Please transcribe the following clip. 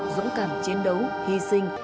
dũng cảm chiến đấu hy sinh